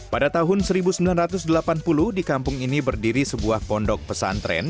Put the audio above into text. pada tahun seribu sembilan ratus delapan puluh di kampung ini berdiri sebuah pondok pesantren